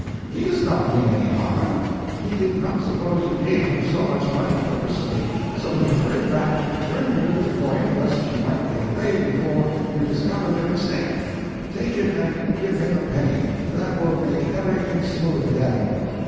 He does not mean any harm. He did not suppose you gave him so much money purposely, so he hurried back to return you the coin lest you might get away before you discovered your mistake. Take it, and give him a penny that will make everything smooth again."